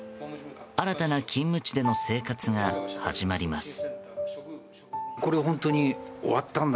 新たな勤務地での生活が始まります。